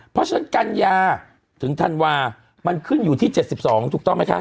เพราะฉะนั้นกัญญาถึงธันวามันขึ้นอยู่ที่๗๒ถูกต้องไหมคะ